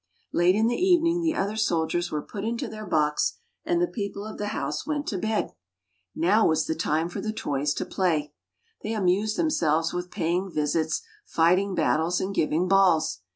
Late in the evening the other soldiers were put into their box, and the people of the house went to bed. Now was the time for the toys to play; they amused themselves with paying visits, fighting battles, and giving balls.